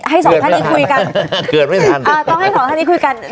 สองท่านนี้คุยกันเกิดไม่ทันอ่าต้องให้สองท่านนี้คุยกัน